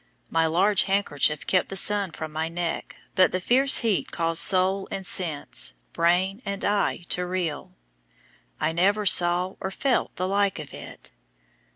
My large handkerchief kept the sun from my neck, but the fierce heat caused soul and sense, brain and eye, to reel. I never saw or felt the like of it.